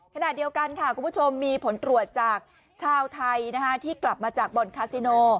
ขณะเดียวกันค่ะคุณผู้ชมมีผลตรวจจากชาวไทยที่กลับมาจากบ่อนคาซิโน